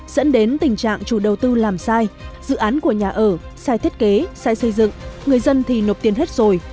dẫn đến tình trạng chủ đầu tư làm sai dự án của nhà ở sai thiết kế sai xây dựng người dân thì nộp tiền hết rồi